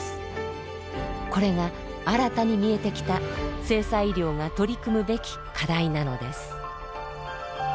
これが新たに見えてきた性差医療が取り組むべき課題なのです。